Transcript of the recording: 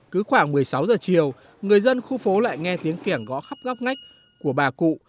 cứ khoảng một mươi sáu giờ chiều người dân khu phố lại nghe tiếng kẻng gõ khắp góc ngách của bà cụ